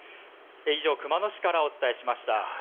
以上、熊野市からお伝えしました。